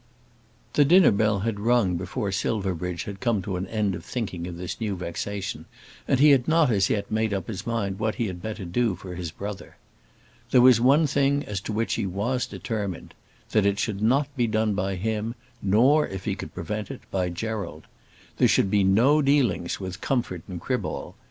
The dinner bell had rung before Silverbridge had come to an end of thinking of this new vexation, and he had not as yet made up his mind what he had better do for his brother. There was one thing as to which he was determined, that it should not be done by him, nor, if he could prevent it, by Gerald. There should be no dealings with Comfort and Criball.